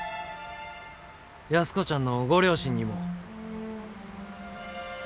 安子ちゃんのご両親にも。